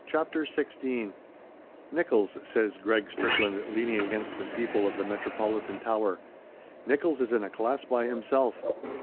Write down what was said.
CHAPTER XVI "^"ICKOLLS," says Greg Strickland, leaning ^^ against the steeple of the Metropolitan Tower "Nickolls is in a class by himself."